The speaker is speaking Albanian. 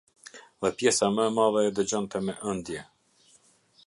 Dhe pjesa më e madhe e dëgjonte me ëndje.